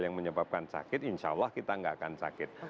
yang menyebabkan sakit insya allah kita nggak akan sakit